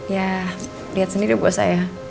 ya lihat sendiri buat saya